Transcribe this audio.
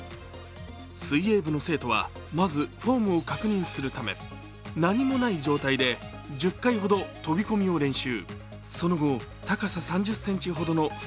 水泳部の生徒はまずフォームを確認するため何もない状態で、１０回ほど飛び込みを練習。